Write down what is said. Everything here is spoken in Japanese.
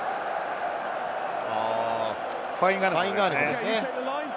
ファインガアヌクですね。